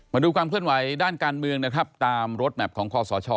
มาดูความเคลื่อนไหวด้านการเมืองนะครับตามรถแมพของคอสช